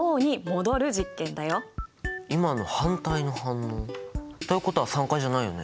今の反対の反応。ということは酸化じゃないよね？